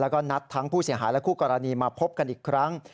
แล้วก็นัดทั้งผู้เสียหายและคู่กรณีมาพบกันอีกครั้ง